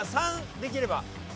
３できれば。